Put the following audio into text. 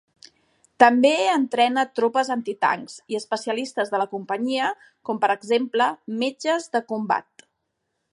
També entrena tropes antitancs i especialistes de la companyia, com per exemple, metges de combat.